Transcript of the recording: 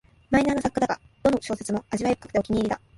マイナーな作家だが、どの小説も味わい深くてお気に入りだ